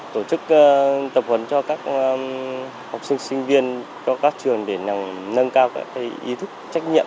tổ chức tập huấn cho các học sinh sinh viên cho các trường để nâng cao các ý thức trách nhiệm